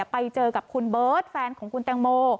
ไปเจอกับคุณเบิร์ตแฟนของคุณแตงโม